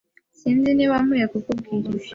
Sinzi niba nkwiye kukubwira ibi.